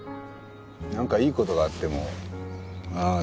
なんかいい事があってもああ